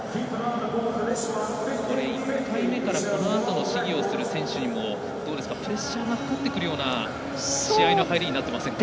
ここで１回目からこのあとの試技をする選手にもプレッシャーがかかってくるような試合の入りになってませんか。